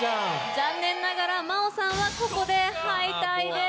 残念ながらＭａｏさんはここで敗退です。